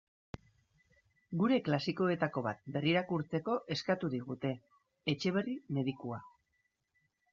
Gure klasikoetako bat berrirakurtzeko eskatu digute: Etxeberri medikua.